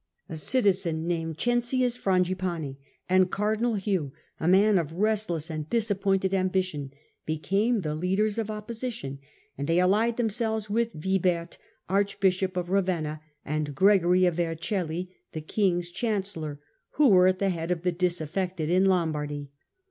A citizen named Cencius,* and cardinal Hugh, a man of restless and disappointed ambition, became the leaders of opposition, and they allied themselves with Wibert, archbishop of Ravenna, and Gregory of Vercelli, the king's chancellor, whp were at the head of the disaffected in Lombardy.